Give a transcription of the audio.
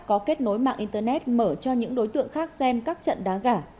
có kết nối mạng internet mở cho những đối tượng khác xem các trận đá gà